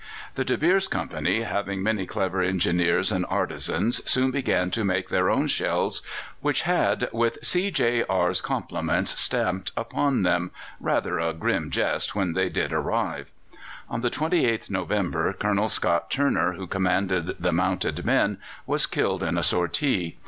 The De Beers Company, having many clever engineers and artisans, soon began to make their own shells, which had "With C. J. R.'s Compts." stamped upon them rather a grim jest when they did arrive. On the 28th November Colonel Scott Turner, who commanded the mounted men, was killed in a sortie.